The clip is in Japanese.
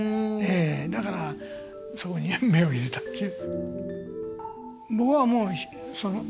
だからそこに目を入れたっていう。